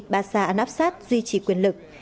basa anapsat duy trì quyền lực